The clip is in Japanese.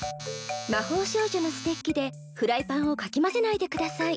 魔法少女のステッキでフライパンをかき混ぜないでください